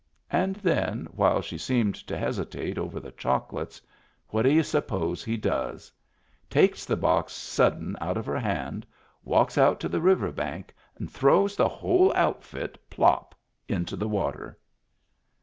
And then, while she seemed to hesitate over the chocolates, what do y'u suppose he does? Takes the box sudden out of her hand, walks out to the river bank and throws the whole outfit plop into the water!